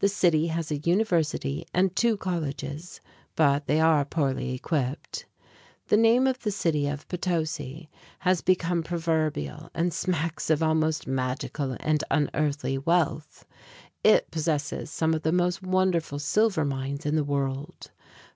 The city has a university and two colleges, but they are poorly equipped. The name of the city of Potosí (po to see´) has become proverbial and "smacks of almost magical and unearthly wealth." It possesses some of the most wonderful silver mines in the world.